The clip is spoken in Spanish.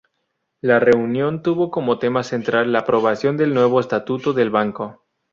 La reunión tuvo como tema central la aprobación del nuevo estatuto del banco.